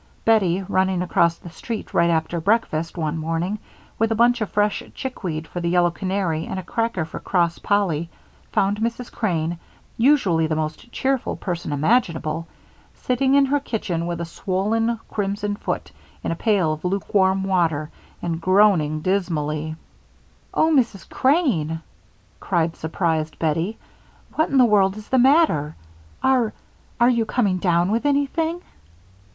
Bettie, running across the street right after breakfast one morning, with a bunch of fresh chickweed for the yellow canary and a cracker for cross Polly, found Mrs. Crane, usually the most cheerful person imaginable, sitting in her kitchen with a swollen, crimson foot in a pail of lukewarm water, and groaning dismally. "Oh, Mrs. Crane!" cried surprised Bettie. "What in the world is the matter? Are are you coming down with anything?"